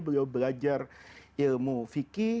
beliau belajar ilmu fikih